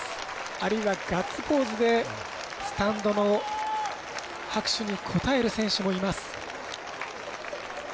あるいはガッツポーズでスタンドの拍手に応える選手もいます。